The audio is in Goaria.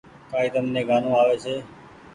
ڪآئي تم ني گآنو آوي ڇي۔